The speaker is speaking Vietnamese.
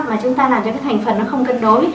mà chúng ta làm cho cái thành phần nó không cân đối